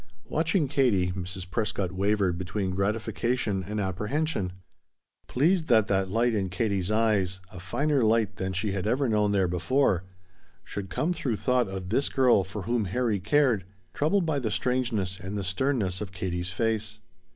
Watching Katie, Mrs. Prescott wavered between gratification and apprehension: pleased that that light in Katie's eyes, a finer light than she had ever known there before, should come through thought of this girl for whom Harry cared; troubled by the strangeness and the sternness of Katie's face.